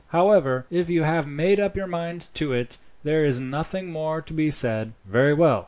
However, if you have made up your mind to it, there is nothing more to be said." "Very well.